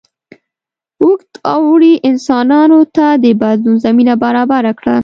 اوږد اوړي انسانانو ته د بدلون زمینه برابره کړه.